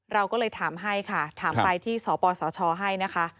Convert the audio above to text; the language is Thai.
เราก็เลยถามไปที่สปสชให้นะคะ